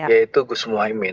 yaitu gus muhaymin